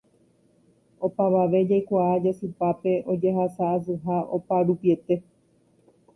Opavave jaikuaa jasypápe ojehasa'asyha oparupiete